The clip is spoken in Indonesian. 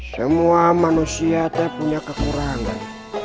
semua manusia itu punya kekurangan